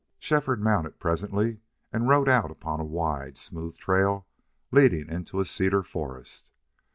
Shefford mounted presently, and rode out upon a wide, smooth trail leading into a cedar forest.